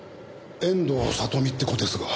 遠藤里実って子ですが。